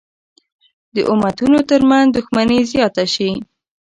د امتونو تر منځ دښمني زیاته شي.